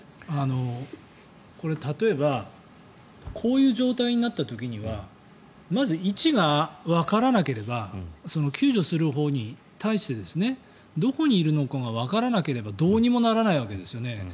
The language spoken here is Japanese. これ、例えばこういう状態になった時にはまず位置がわからなければ救助するほうに対してどこにいるのかがわからなければどうにもならないわけですよね。